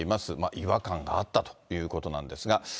違和感があったということなんですが。